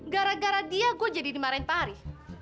gara gara dia gue jadi dimarahin pari